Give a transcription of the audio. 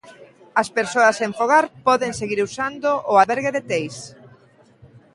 As persoas sen fogar poden seguir usando o albergue de Teis.